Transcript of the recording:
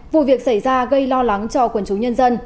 vụ việc xảy ra gây lo lắng cho quần chúng nhân dân